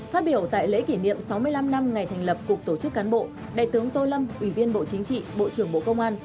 phát biểu tại lễ kỷ niệm sáu mươi năm năm ngày thành lập cục tổ chức cán bộ đại tướng tô lâm ủy viên bộ chính trị bộ trưởng bộ công an